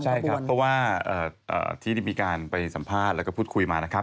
ใช่ครับเพราะว่าทีนี้มีการไปสัมภาษณ์และพูดคุยมา